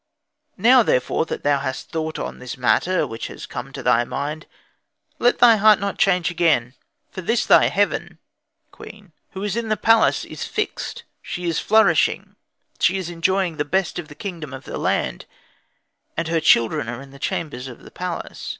Now, therefore, that thou hast thought on this matter which has come to thy mind, let thy heart not change again; for this thy Heaven (queen), who is in the palace is fixed, she is flourishing, she is enjoying the best in the kingdom of the land, and her children are in the chambers of the palace.